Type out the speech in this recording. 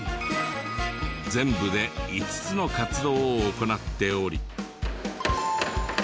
全部で５つの活動を行っており。